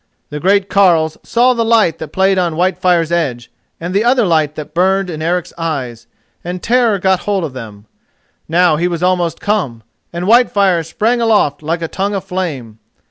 The great carles saw the light that played on Whitefire's edge and the other light that burned in Eric's eyes, and terror got hold of them. Now he was almost come, and Whitefire sprang aloft like a tongue of flame.